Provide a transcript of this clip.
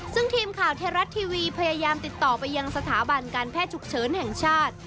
ซึ่งทีมข่าวไทยรัฐทีวีพยายามติดต่อไปยังสถาบันการแพทย์ฉุกเฉินแห่งชาติ